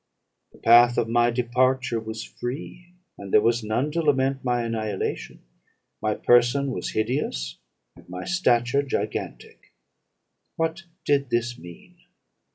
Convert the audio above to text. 'The path of my departure was free;' and there was none to lament my annihilation. My person was hideous, and my stature gigantic? What did this mean?